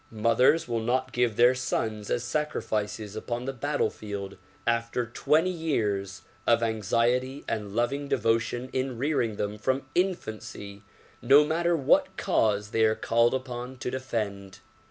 Mothers will not give their sons as sacri fices upon the battlefield after twenty years of anxiety and loving devotion in rearing them from infancy, no matter what cause they are called upon to defend.